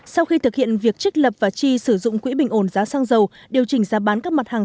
sau khi thực hiện việc trích lập và chi sử dụng quỹ bình ổn giá xăng dầu điều chỉnh giá bán các mặt hàng